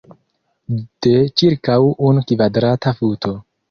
De ĉirkaŭ unu kvadrata futo.